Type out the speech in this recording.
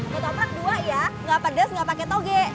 gototrak dua ya gak pedes gak pake toge